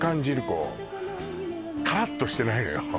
こうカラッとしてないのよ